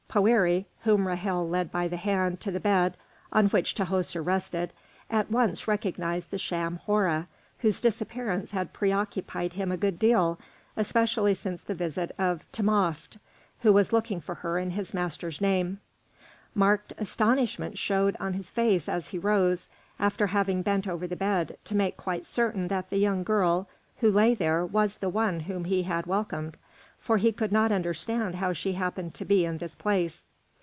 Poëri, whom Ra'hel led by the hand to the bed on which Tahoser rested, at once recognised the sham Hora, whose disappearance had preoccupied him a good deal, especially since the visit of Timopht, who was looking for her in his master's name. Marked astonishment showed in his face as he rose, after having bent over the bed to make quite certain that the young girl who lay there was the one whom he had welcomed, for he could not understand how she happened to be in this place.